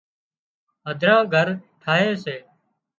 هڌران گھر ٺاهي سي